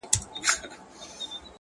چا وی چې حسن مربي دی د عشق